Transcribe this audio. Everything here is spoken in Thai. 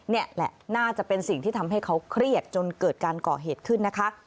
นี่แหละน่าจะเป็นสิ่งที่ทำให้เขาเครียดจนเกิดการก่อเหตุขึ้นนะคะ